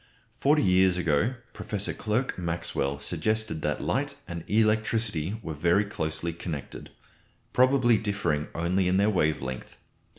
Forty years ago Professor Clerk Maxwell suggested that light and electricity were very closely connected, probably differing only in their wave length.